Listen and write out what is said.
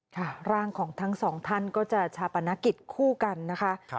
ค่ะร่างของทั้งสองท่านก็จะชาปนกิจคู่กันนะคะ